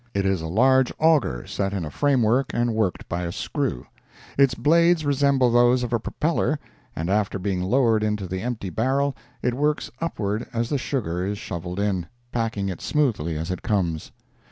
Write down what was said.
It is a large auger set in a framework and worked by a screw; its blades resemble those of a propeller, and after being lowered into the empty barrel, it works upward as the sugar is shoveled in, packing it smoothly as it comes.